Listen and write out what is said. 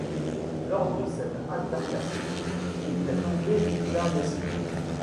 Lors de cette altercation, il fait tomber Lisa Leslie.